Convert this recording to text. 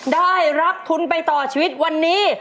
ได้รับทุนไปต่อชีวิตวันนี้